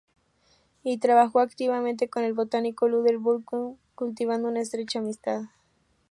Y trabajó activamente con el botánico Luther Burbank cultivando una estrecha amistad.